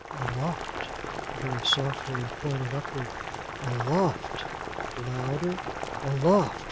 Aloft!'—very softly, and pointing upward: 'Aloft!'—louder: 'aloft!